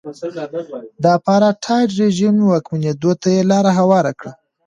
د اپارټاید رژیم واکمنېدو ته یې لار هواره کړه.